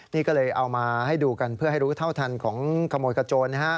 นี่ก็เลยเอามาให้ดูกันเพื่อให้รู้เท่าทันของขโมยขโจร